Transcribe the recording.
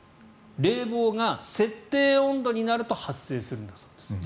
冷房が設定温度になると発生するんだそうです。